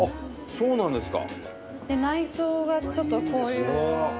そうなんですか。